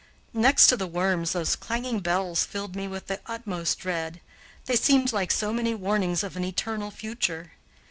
Next to the worms, those clanging bells filled me with the utmost dread; they seemed like so many warnings of an eternal future.